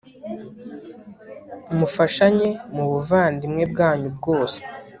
mufashanye mubuvandimwe bwanyu bwose